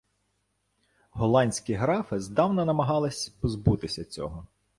Голландські графи здавна намагались позбутися цього.